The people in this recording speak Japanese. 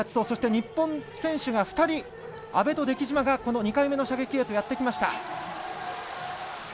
そして、日本選手が２人阿部と出来島が２回目の射撃へやってきました。